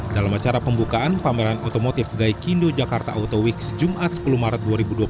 dalam acara pembukaan pameran otomotif gaikindo jakarta auto weeks jumat sepuluh maret dua ribu dua puluh tiga